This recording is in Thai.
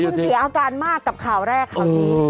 คุณเสียอาการมากกับข่าวแรกข่าวนี้